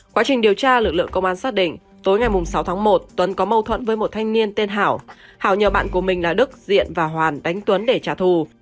quá trình điều tra lực lượng công an xác định tối ngày sáu tháng một tuấn có mâu thuẫn với một thanh niên tên hảo thảo nhờ bạn của mình là đức diện và hoàn đánh tuấn để trả thù